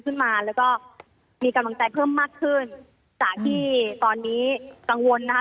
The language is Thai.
ขึ้นมาแล้วก็มีกำลังใจเพิ่มมากขึ้นจากที่ตอนนี้กังวลนะคะ